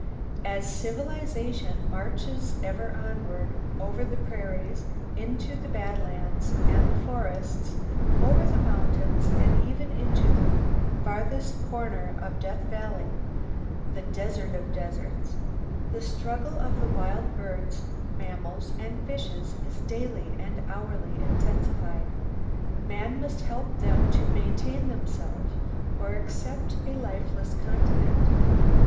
As civilization marches ever onward, over the prairies, into the bad lands and the forests, over the mountains and even into the farthest corner of Death Valley, the desert of deserts, the struggle of the wild birds, mammals and fishes is daily and hourly intensified. Man must help them to maintain themselves, or accept a lifeless continent.